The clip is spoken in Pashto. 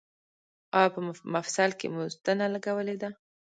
ایا په مفصل کې مو ستنه لګولې ده؟